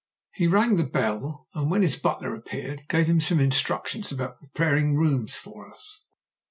He rang the bell, and when his butler appeared, gave him some instructions about preparing rooms for us.